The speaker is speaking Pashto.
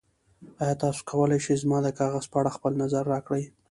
ایا تاسو کولی شئ زما د کاغذ په اړه خپل نظر راکړئ؟